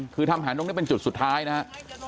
คือทำแผนตรงนี้เป็นจุดสุดท้ายนะครับ